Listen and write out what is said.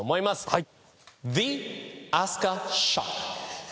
はい。